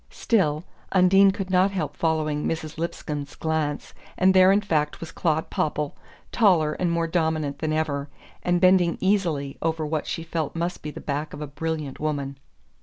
Still, Undine could not help following Mrs. Lipscomb's glance, and there in fact was Claud Popple, taller and more dominant than ever, and bending easily over what she felt must be the back of a brilliant woman.